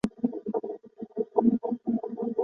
五代青州博兴人。